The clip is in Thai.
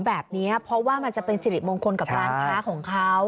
แบบนี้เพราะว่ามันจะเป็นสิริมงคลกับร้านค้าของเขา